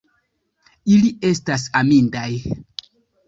Ili estas amindaj!